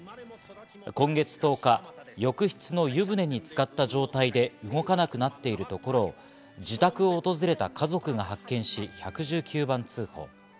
今月１０日、浴室の湯船につかった状態で動かなくなっているところを自宅を訪れた家族が発見し、１１９番通報。